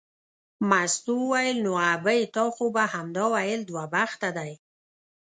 مستو وویل نو ابۍ تا خو به همدا ویل دوه بخته دی.